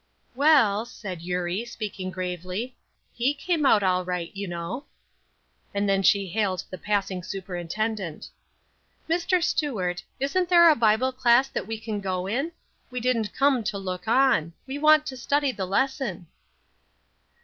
"Well," said Eurie, speaking gravely, "he came out all right, you know." Then she hailed the passing superintendent: "Mr. Stuart, isn't there a Bible class that we can go in? We didn't come to look on. We want to study the lesson."